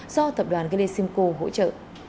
do thập đoàn gelesimco hỗ trợ